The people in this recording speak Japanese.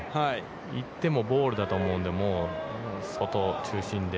いってもボールだと思うので、もう、外中心で。